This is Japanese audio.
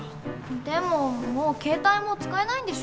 でももう携帯も使えないんでしょ？